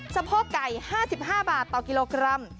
สะโพกไก่๕๕บาทต่อกิโลกรัม